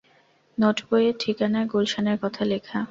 নোটবইয়ের ঠিকানায় গুলশানের কথা লেখা।